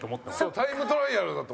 タイムトライアルだと。